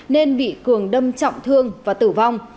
nên bị cường đâm trọng thương và tử vong